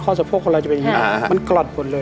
ข้อสะโพกของเราจะเป็นอย่างนี้